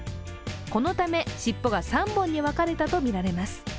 このため、尻尾が３本に分かれたとみられます。